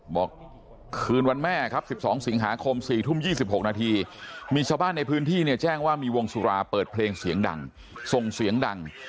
บอกคืนวันแม่ครับ๑๒สิงหาคม๔ทุ่ม๒๖นาทีมีชาวบ้านในพื้นที่เนี่ยแจ้งว่ามีวงสุราเปิดเพลงเสียงดังส่งเสียงดัง